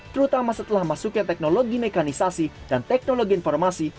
terutama setelah masuknya teknologi mekanisasi dan teknologi informasi